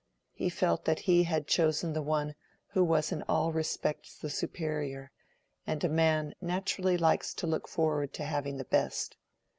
He felt that he had chosen the one who was in all respects the superior; and a man naturally likes to look forward to having the best.